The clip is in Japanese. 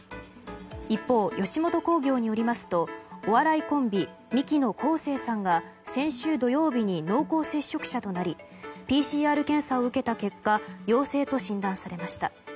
一方、吉本興業によりますとお笑いコンビ・ミキの昴生さんが先週土曜日に濃厚接触者となりＰＣＲ検査を受けた結果陽性と診断されました。